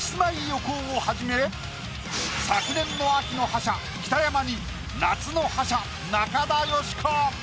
横尾をはじめ昨年の秋の覇者北山に夏の覇者中田喜子！